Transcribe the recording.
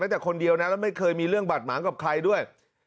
แต่คนเดียวนะแล้วไม่เคยมีเรื่องบาดหมางกับใครด้วย